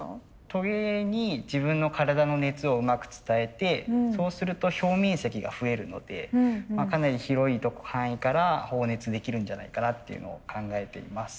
トゲに自分の体の熱をうまく伝えてそうすると表面積が増えるのでかなり広い範囲から放熱できるんじゃないかなっていうのを考えています。